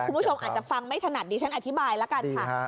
คุณผู้ชมอาจจะฟังไม่ถนัดดิฉันอธิบายแล้วกันค่ะ